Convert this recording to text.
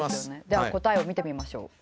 では答えを見てみましょう。